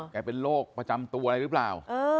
เป็นโรคประจำตัวอะไรหรือเปล่า